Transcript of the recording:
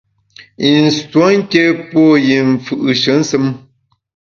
I nsuo nké pô yi mfù’she nsùm.